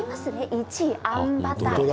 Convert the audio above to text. １位あんバター。